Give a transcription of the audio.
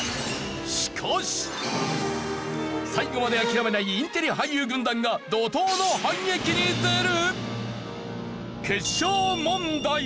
しかし最後まで諦めないインテリ俳優軍団が怒濤の反撃に出る！？